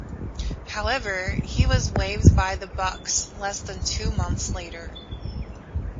However, he was waived by the Bucks less than two months later.